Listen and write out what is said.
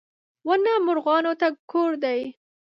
• ونه مرغانو ته کور دی.